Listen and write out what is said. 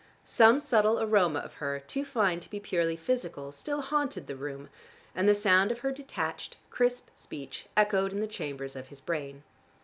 Some subtle aroma of her, too fine to be purely physical, still haunted the room, and the sound of her detached crisp speech echoed in the chambers of his brain.